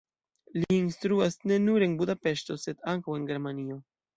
Li instruas ne nur en Budapeŝto, sed ankaŭ en Germanio.